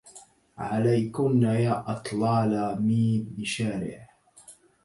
عليكن يا أطلال مي بشارع